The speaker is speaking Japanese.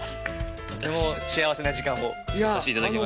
とても幸せな時間を過ごさせていただきました。